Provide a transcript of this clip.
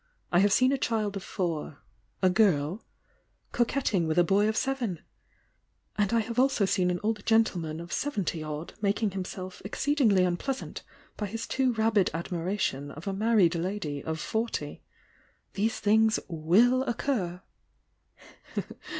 I have seen a child of four, — a girl, — coquetting with a boy of seven, — and I have also seen an old gentleman of seventy odd making him self exceedingly unpleasant by his too rabid admira tion of a married lady of forty. These things wUl occur!"